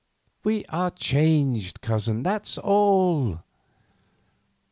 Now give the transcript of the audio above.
We are changed, Cousin; that's all."